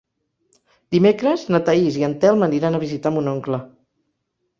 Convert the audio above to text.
Dimecres na Thaís i en Telm aniran a visitar mon oncle.